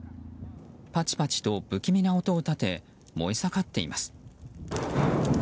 ぱちぱちと不気味な音を立て燃え盛っています。